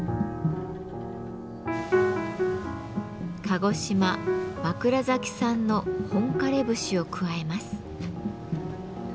鹿児島・枕崎産の本枯れ節を加えます。